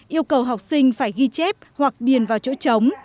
yêu cầu học sinh phải ghi chép hoặc điền vào chỗ trống